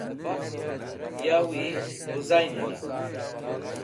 Yawi wuzainer